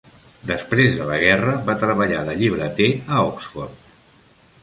Després de la guerra, va treballar de llibreter a Oxford.